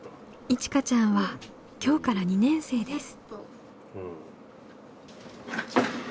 いちかちゃんは今日から２年生です。